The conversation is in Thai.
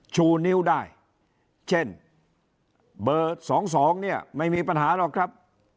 ชูนิ้วได้เช่นเบอร์๒๒เนี่ยไม่มีปัญหาหรอกครับ